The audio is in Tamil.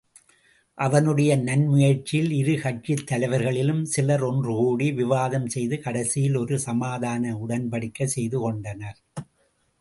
அவனுடைய நன்முயற்சியால் இரு கட்சித் தலைவர்களிலும் சிலர் ஒன்றுகூடி விவாதம் செய்து, கடைசியில் ஒரு சமாதான உடன்படிக்கை செய்துகொண்டனர்.